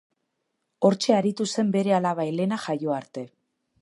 Hortxe aritu zen bere alaba Elena jaio arte.